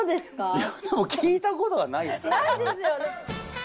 いや、聞いたことないですよね。